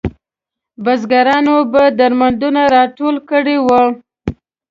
بزګرانو به درمندونه راټول کړي وو.